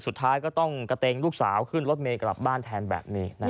สุดท้ายก็ต้องกระเต็งลูกสาวขึ้นรถเมย์กลับบ้านแทนแบบนี้